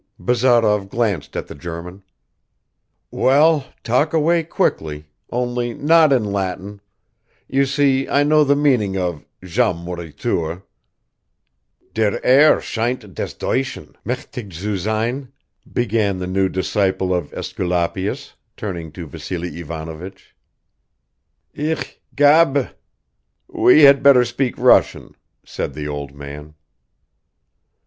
Bazarov glanced at the German. "Well, talk away quickly, only not in Latin; you see I know the meaning of 'jam moritur.'" "Der Herr scheint des Deutschen mächtig zu sein," began the new disciple of Aesculapius, turning to Vassily Ivanovich." "Ich ... gabe ... We had better speak Russian," said the old man.